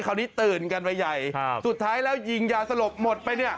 คราวนี้ตื่นกันไปใหญ่สุดท้ายแล้วยิงยาสลบหมดไปเนี่ย